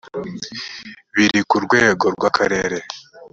biri ku rwego rw akarere